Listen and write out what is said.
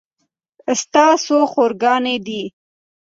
ستا څو خور ګانې دي